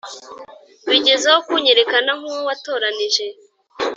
bigezaho kunyerekana nkuwo watoranije